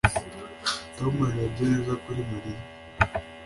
Tom yarebye neza kuri Mariya